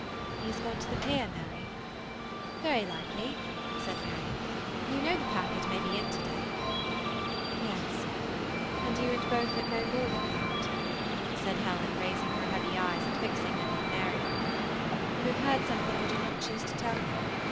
" He is gone to the pier, Mary ?"" Very likely," she said ;" you know the packet may be in to day." THE SBUn ATTACHBD COUPLE. 803 '< Yes, and you and Beaufort know more than that/' said Helen, raising her heavy eyes, and fixing them on Mary ;" you have heard something you do not choose to tell me.